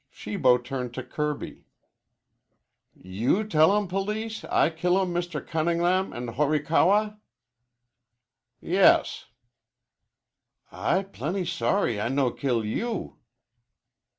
Shibo turned to Kirby. "You tellum police I killum Mr. Cunnin'lam and Horikawa?" "Yes." "I plenty sorry I no kill you."